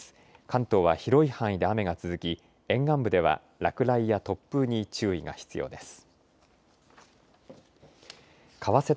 関東は広い範囲で雨が続き沿岸部では落雷や突風に注意が必要です。